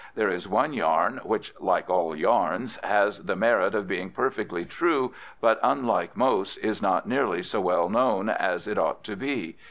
There is one yarn which, like all yarns, has the merit of being perfectly true, but, unlike most, is not nearly so well known as it ought to be.